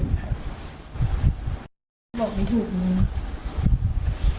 มันใช่หนูป่ะมันก็ไม่ใช่แม่งคือเราก็นอนอยู่ที่นอนอย่างนั้น